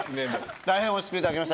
大変おいしくいただきました